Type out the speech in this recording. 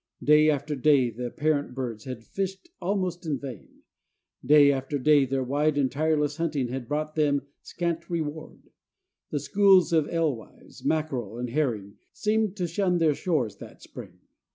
Day after day the parent birds had fished almost in vain; day after day their wide and tireless hunting had brought them scant reward. The schools of alewives, mackerel, and herring seemed to shun their shores that spring.